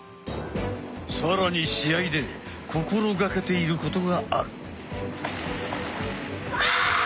更に試合で心掛けていることがある。